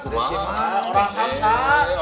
desi mana orang samsat